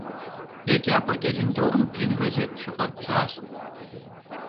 Yêcap'e ç'elındorım blın gazêt şıf'edzaş.